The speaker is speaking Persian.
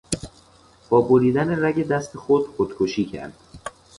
با بریدن رگ دست خود خودکشی کرد.